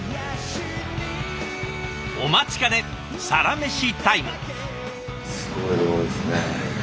お待ちかねサラメシタイム。